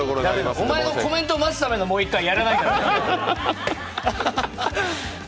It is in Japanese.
お前のコメントを待つためのもう一回やらないから。